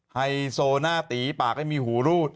ไฮโซหน้าตีปากไม่มีหูรูด